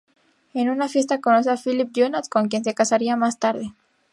En una fiesta conoce a Philippe Junot, con quien se casaría más tarde.